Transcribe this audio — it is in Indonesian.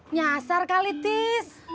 nyasar kali tiss